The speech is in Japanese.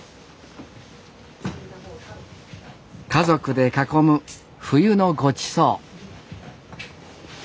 家族で囲む冬のごちそう。